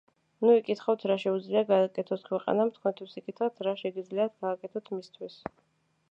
ნუ იკითხავთ რა შეუძლია გააკეთოს ქვეყანამ თქვენთვის, იკითეთ, რა შეგიძლიათ გააკეთოთ მისთვის”,,